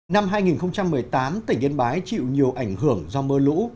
năm hai nghìn một mươi tám tỉnh yên bái chịu nhiều ảnh hưởng do mưa lũ